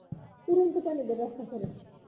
উড়ন্ত প্রাণীদের রক্ষা করে।